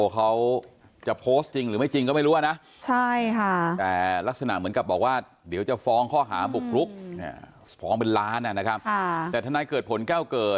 ก็สืบเนื่องมาจากที่